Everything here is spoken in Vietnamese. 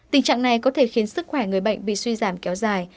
tình trạng này có thể khiến sức khỏe người bệnh bị suy giảm kéo dài